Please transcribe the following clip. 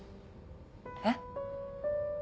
えっ？